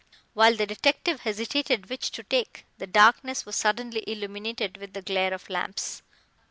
While the detective hesitated which to take, the darkness was suddenly illuminated with the glare of lamps.